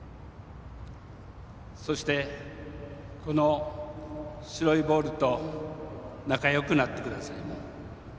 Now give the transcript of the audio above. そして、この白いボールと仲よくなってください。